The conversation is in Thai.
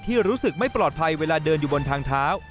รู้สึกไม่ปลอดภัยเวลาเดินอยู่บนทางเท้า